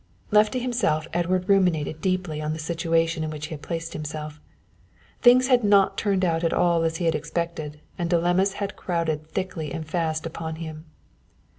Left to himself Edward ruminated deeply on the situation in which he had placed himself. Things had not turned out at all as he had expected and dilemmas had crowded thickly and fast upon him.